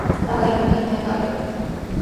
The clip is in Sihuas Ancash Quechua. Taqay runa imaykayuqmi.